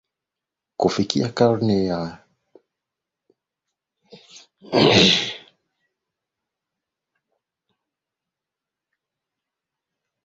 Kufikia karne ya kumi na nane